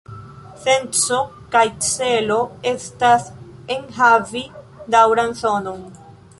Senco kaj celo estas ekhavi daŭran sonon.